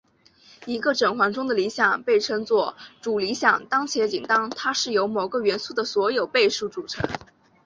一个整环中的理想被称作主理想当且仅当它是由某个元素的所有倍数组成。